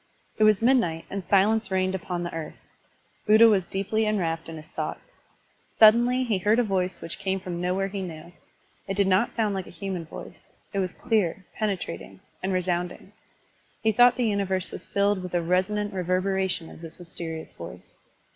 It was midnight and silence reigned upon the earth. Buddha was deeply enwrapt in his thoughts. Suddenly he heard a voice which came from nowhere he knew. It did not soimd like a human voice; it was clear, penetrating, and resounding; he thought the universe was filled with a resonant reverberation of this mysterious voice.